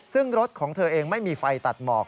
ซึ่งรถของเธอเองไม่มีไฟตัดหมอก